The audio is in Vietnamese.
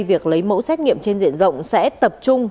việc lấy mẫu xét nghiệm trên diện rộng sẽ tập trung